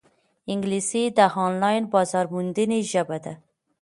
انګلیسي د آنلاین بازارموندنې ژبه ده